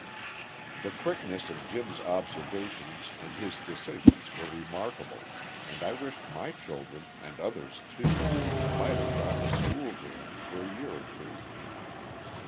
The quickness of Jim's observations and his decisions were remarkable, and I wished my children, and others too, might have gone to school to him for a year or two.